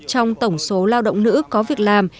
trong tổng số lao động nữ có việc làm